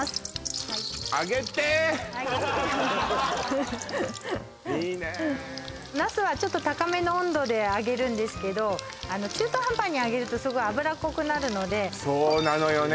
はい揚げてはいいいねナスはちょっと高めの温度で揚げるんですけど中途半端に揚げるとすごい油っこくなるのでそうなのよね